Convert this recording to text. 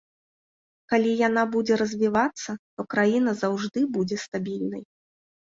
Калі яна будзе развівацца, то краіна заўжды будзе стабільнай.